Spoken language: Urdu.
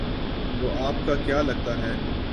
وہ آپ کا کیا لگتا ہے؟